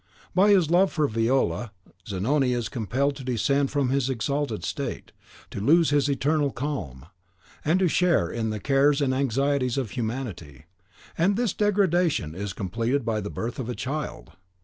By his love for Viola Zanoni is compelled to descend from his exalted state, to lose his eternal calm, and to share in the cares and anxieties of humanity; and this degradation is completed by the birth of a child.